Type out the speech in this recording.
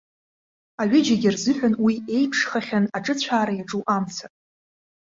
Аҩыџьагьы рзыҳәан уи еиԥшхахьан, аҿыцәаара иаҿу амца.